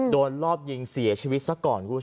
โดนรอบยิงเสียชีวิตสักก่อน